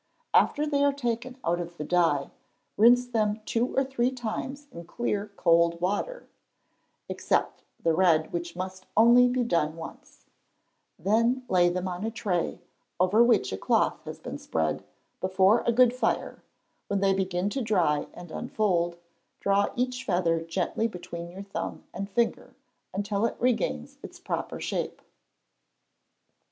After they are taken out of the dye, rinse them two or three times in clear cold water (except the red, which must only be done once), then lay them on a tray, over which a cloth has been spread, before a good fire; when they begin to dry and unfold, draw each feather gently between your thumb and finger, until it regains its proper shape.